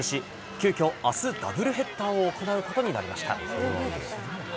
急きょあす、ダブルヘッダーを行うことになりました。